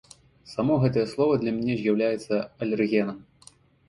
Само гэтае слова для мяне з'яўляецца алергенам.